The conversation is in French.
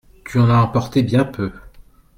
Tu en as emporté bien peu.